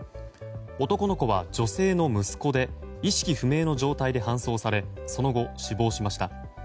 男の子は女性の息子で意識不明の状態で搬送されその後、死亡しました。